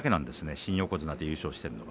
新横綱で優勝しているのは。